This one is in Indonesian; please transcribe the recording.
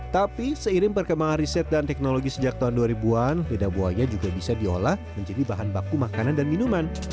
tapi seiring perkembangan riset dan teknologi sejak tahun dua ribu an lidah buaya juga bisa diolah menjadi bahan baku makanan dan minuman